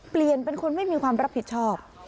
เปลี่ยนเป็นคนไม่มีความรับผิดชอบ